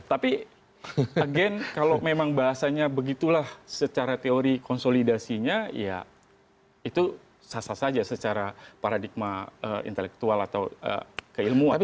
tapi again kalau memang bahasanya begitulah secara teori konsolidasinya ya itu sah sah saja secara paradigma intelektual atau keilmuan